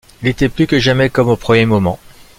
Il était plus que jamais comme au premier moment.